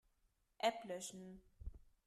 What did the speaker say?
App löschen.